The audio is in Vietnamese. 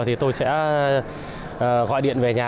thì tôi sẽ gọi điện về nhà